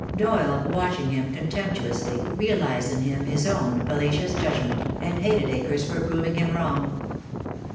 Doyle, watching him contemptuously, realized in him his own fallacious judgment, and hated Akers for proving him wrong.